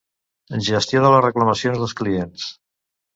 Gestió de les reclamacions dels clients.